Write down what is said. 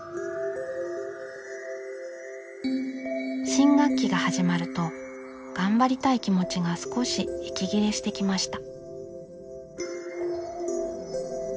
新学期が始まると頑張りたい気持ちが少し息切れしてきました。